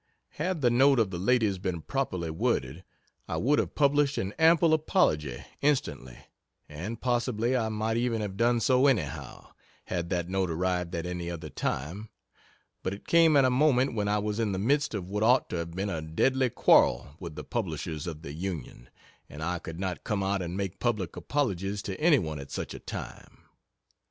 Had the note of the ladies been properly worded, I would have published an ample apology instantly and possibly I might even have done so anyhow, had that note arrived at any other time but it came at a moment when I was in the midst of what ought to have been a deadly quarrel with the publishers of the Union, and I could not come out and make public apologies to any one at such a time.